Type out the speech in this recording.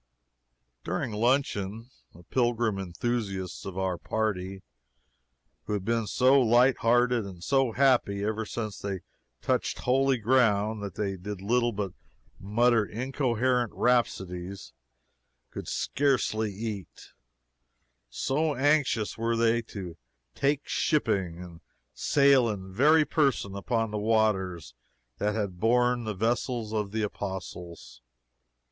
During luncheon, the pilgrim enthusiasts of our party, who had been so light hearted and so happy ever since they touched holy ground that they did little but mutter incoherent rhapsodies, could scarcely eat, so anxious were they to "take shipping" and sail in very person upon the waters that had borne the vessels of the Apostles.